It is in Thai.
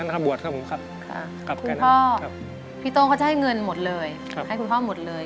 คุณพ่อพี่โต้เขาจะให้เงินหมดเลยให้คุณพ่อหมดเลย